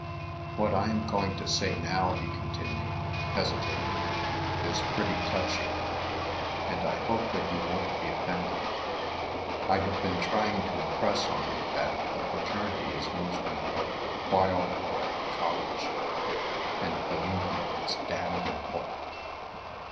"What I am going to say now," he continued, hesitating, "is pretty touchy, and I hope that you won't be offended. I have been trying to impress on you that the fraternity is most important while you are in college, and, believe me, it's damned important.